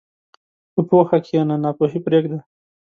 په پوهه کښېنه، ناپوهي پرېږده.